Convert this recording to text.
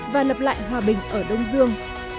và lập lại hòa bình ở đông dương